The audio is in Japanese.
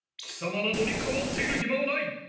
きさまなどにかまっているひまはない！